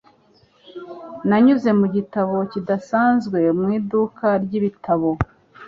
Nanyuze mu gitabo kidasanzwe mu iduka ryibitabo